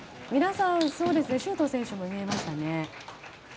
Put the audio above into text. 周東選手も見えましたね。